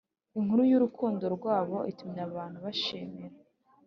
inkuru yurukundo rwabo itumye abantu bayishimira